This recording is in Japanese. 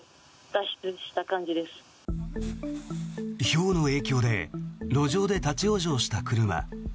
ひょうの影響で路上で立ち往生した車。